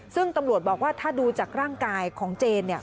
ซึ่งตำรวจบอกว่าถ้าดูจากร่างกายของเจนเนี่ย